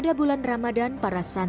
seseorang semua ini orang jadi para miskin